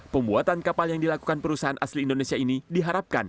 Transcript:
pembuatan kapal yang dilakukan perusahaan asli indonesia ini diharapkan